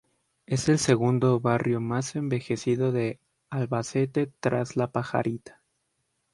Es el segundo barrio más envejecido de Albacete tras La Pajarita.